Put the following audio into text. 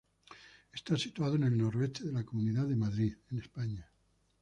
Está situado en el noroeste de la Comunidad de Madrid, en España.